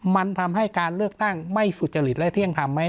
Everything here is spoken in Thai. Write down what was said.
มันทำให้การเลือกตั้งไม่สุจริตและเที่ยงธรรมไหม